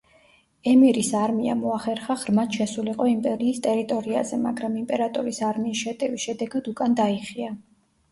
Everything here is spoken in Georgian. ემირის არმიამ მოახერხა ღრმად შესულიყო იმპერიის ტერიტორიაზე, მაგრამ იმპერატორის არმიის შეტევის შედეგად უკან დაიხია.